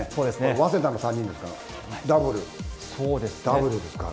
早稲田の３人ですから、Ｗですから。